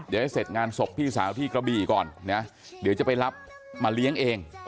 เดี๋ยวให้เสร็จงานศพพี่สาวที่กระบี่ก่อนนะเดี๋ยวจะไปรับมาเลี้ยงเอง